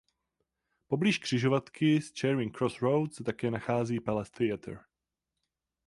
Poblíž křižovatky s Charing Cross Road se také nachází velké "Palace Theatre".